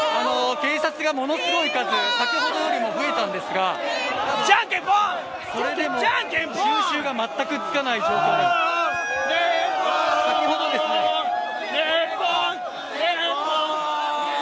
警察がものすごい数、先ほどよりも増えたんですがそれでも収拾が全くつかない状況でうｓ。